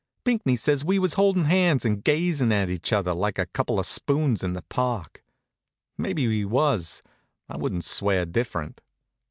Pinckney says we was holdin' hands and gazin' at each other like a couple of spoons in the park. Maybe we was; I wouldn't swear different.